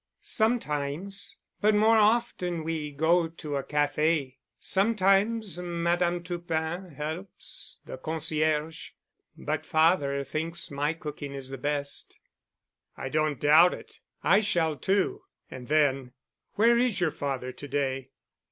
"Sometimes—but more often we go to a café. Sometimes Madame Toupin helps, the concierge—but father thinks my cooking is the best." "I don't doubt it. I shall, too." And then, "where is your father to day?"